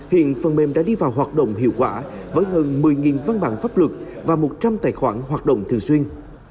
hiện phần mềm đã đi vào hoạt động hiệu quả với hơn một mươi văn bản pháp luật và một trăm linh tài khoản hoạt động thường xuyên